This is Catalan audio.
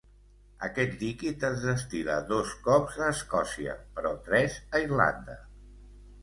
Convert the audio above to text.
Aquest líquid es destil·la dos cops a Escòcia, però tres a Irlanda.